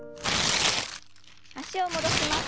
脚を戻します。